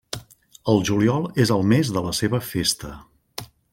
El juliol és el mes de la seva festa.